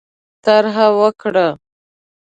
طرح ورکړه.